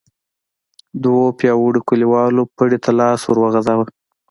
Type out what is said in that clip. دوو پياوړو کليوالو پړي ته لاس ور وغځاوه.